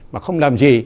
mà không làm gì